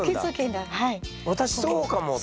私そうかもって？